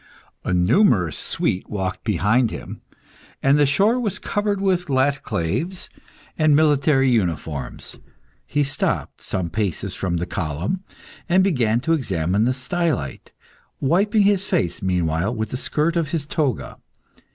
A numerous suite walked behind him, and the shore was covered with _laticlaves_(*) and military uniforms. He stopped, some paces from the column, and began to examine the stylite, wiping his face meanwhile with the skirt of his toga.